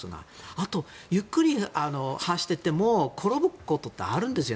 あと、ゆっくり走っていても転ぶことってあるんですよ。